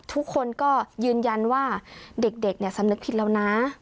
ทุกคนก็ยืนยันว่าเด็กเด็กเนี่ยสำนึกผิดแล้วนะ